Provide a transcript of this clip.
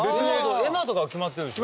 絵馬とかは決まってるでしょ。